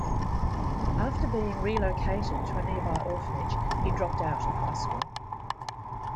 After being relocated to a nearby orphanage, he dropped out of high school.